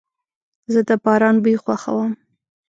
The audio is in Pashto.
زه د باران بوی خوښوم.